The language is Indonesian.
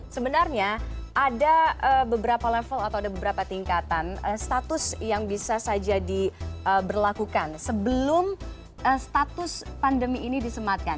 sebenarnya ada beberapa level atau ada beberapa tingkatan status yang bisa saja diberlakukan sebelum status pandemi ini disematkan